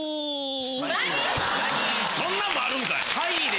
そんなんもあるんかい！